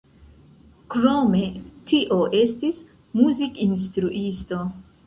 Krome tio estis muzikinstruisto.